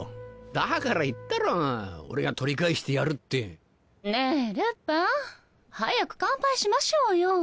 だから言ったろ俺が取り返してやるって。ねぇルパン早く乾杯しましょうよ。